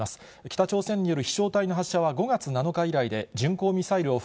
北朝鮮による飛しょう体の発射は、５月７日以来で、巡航ミサイルを